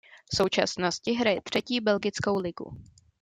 V současnosti hraje třetí belgickou ligu.